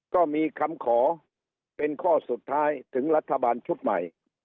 ก็มีคำขอเป็นข้อสุดท้ายถึงรัฐบาลชุดใหม่